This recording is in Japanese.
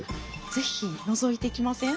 是非のぞいていきません？